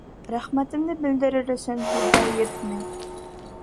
Рәхмәтемде белдерер өсөн һүҙҙәр етмәй